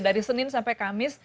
dari senin sampai kamis